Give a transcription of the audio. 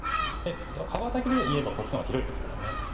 幅だけでいえばこっちの方が広いですからね。